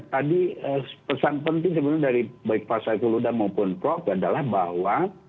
tadi pesan penting sebenarnya dari baik pak saiful huda maupun prof adalah bahwa